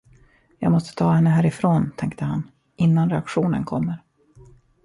Jag måste ta henne härifrån, tänkte han, innan reaktionen kommer.